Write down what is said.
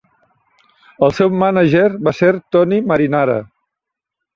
El seu mànager va ser Tony Marinara.